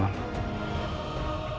kalo gue gak terlibat